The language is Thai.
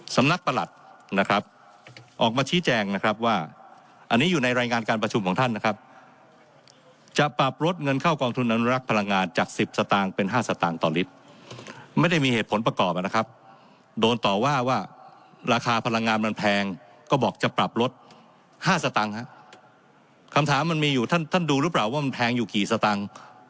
ประหลัดนะครับออกมาชี้แจงนะครับว่าอันนี้อยู่ในรายงานการประชุมของท่านนะครับจะปรับลดเงินเข้ากองทุนอนุรักษ์พลังงานจาก๑๐สตางค์เป็น๕สตางค์ต่อลิตรไม่ได้มีเหตุผลประกอบนะครับโดนต่อว่าว่าราคาพลังงานมันแพงก็บอกจะปรับลดห้าสตางค์ฮะคำถามมันมีอยู่ท่านท่านดูหรือเปล่าว่ามันแพงอยู่กี่สตางค์